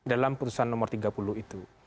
dalam putusan nomor tiga puluh itu